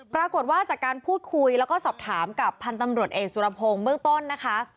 ปรากฏว่าจากการพูดคุยแล้วก็สอบถามกับพันธ์ตำรวจเอกสุรพงศ์เบื้องต้นนะคะ